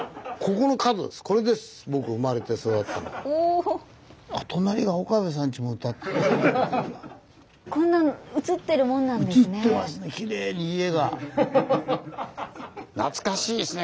こんな写ってるもんなんですね。